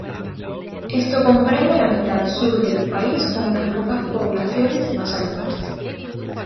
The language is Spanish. Esto comprende la mitad sur del país con unas pocas poblaciones más al norte.